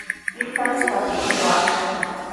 Ikatsitatsi iwatsa.